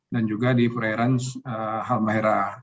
dan juga di perairan halmahera